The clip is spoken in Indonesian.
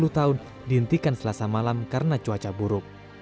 tujuh puluh tahun dihentikan selasa malam karena cuaca buruk